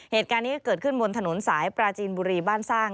เหตุการณ์นี้เกิดขึ้นบนถนนสายปราจีนบุรีบ้านสร้าง